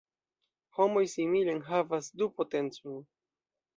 Homoj simile enhavas du potencojn.